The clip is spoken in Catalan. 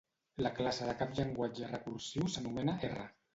La classe de cap llenguatge recursiu s'anomena R.